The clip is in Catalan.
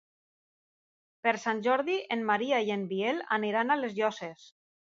Per Sant Jordi en Maria i en Biel iran a les Llosses.